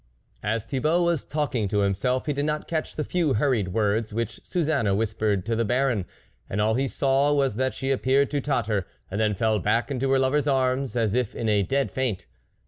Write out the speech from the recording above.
AS Thibault was talking to himself he did not catch the few hurried words which Suzanne whispered to the Baron ; and all he saw was that she appeared to totter, and then fell back into her lover's arms, as if in a dead faint.